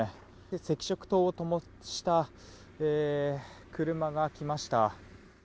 赤色灯をともした車が来ました。